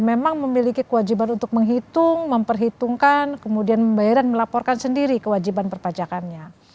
memang memiliki kewajiban untuk menghitung memperhitungkan kemudian membayar dan melaporkan sendiri kewajiban perpajakannya